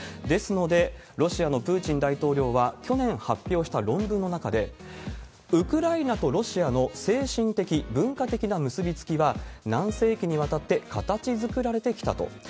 ですので、ロシアのプーチン大統領は去年発表した論文の中で、ウクライナとロシアの精神的、文化的な結び付きは、何世紀にわたって形づくられてきたと。